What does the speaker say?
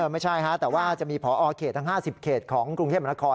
ไม่ใช่แต่ว่าจะมีพอเขตทั้ง๕๐เขตของกรุงเทพมนาคม